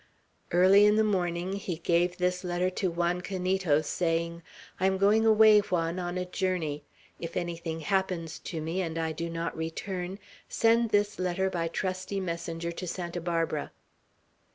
Early in the morning he gave this letter to Juan Canito, saying: "I am going away, Juan, on a journey. If anything happens to me, and I do not return, send this letter by trusty messenger to Santa Barbara."